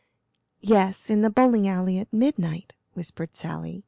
"Yes, in the bowling alley at midnight," whispered Sally.